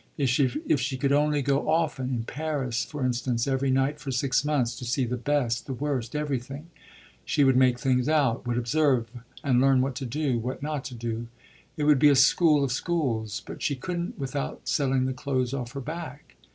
If she could only go often in Paris for instance every night for six months to see the best, the worst, everything, she would make things out, would observe and learn what to do, what not to do: it would be a school of schools. But she couldn't without selling the clothes off her back.